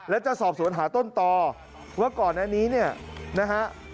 และจะสอบสวนหาต้นต่อว่าก่อนอันนี้เนี่ยนะฮะ